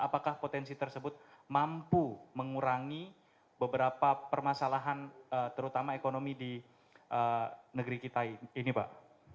apakah potensi tersebut mampu mengurangi beberapa permasalahan terutama ekonomi di negeri kita ini pak